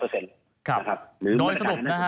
จากหมายร้อยเปอร์เซ็นต์